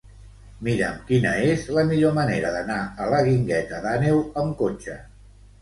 Mira'm quina és la millor manera d'anar a la Guingueta d'Àneu amb cotxe.